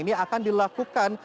ini akan dilakukan